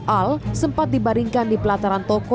al sempat dibaringkan di pelataran toko